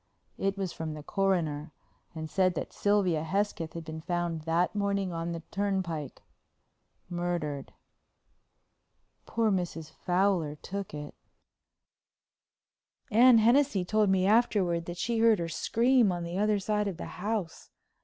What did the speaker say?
It was from the Coroner and said that Sylvia Hesketh had been found that morning on the turnpike, murdered. Poor Mrs. Fowler took it! Anne Hennessey told me afterward that she heard her scream on the other side of the house.